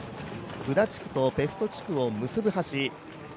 ブダ地区とペスト地区を結ぶ橋